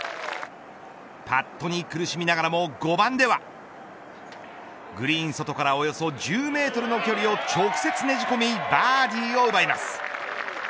パットに苦しみながらも５番ではグリーン外からおよそ１０メートルの距離を直接ねじ込みバーディーを奪います。